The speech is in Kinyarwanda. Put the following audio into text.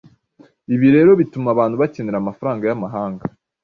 Ibi rero bituma abantu bakenera amafaranga y’amahanga